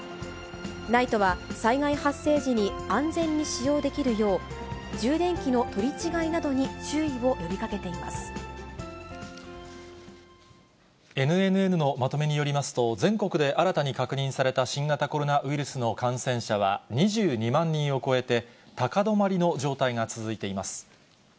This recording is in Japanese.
ＮＩＴＥは、災害発生時に安全に使用できるよう、充電器の取り違いなどに注意ＮＮＮのまとめによりますと、全国で新たに確認された新型コロナウイルスの感染者は２２万人を超えて、高止まりの状態が続いています。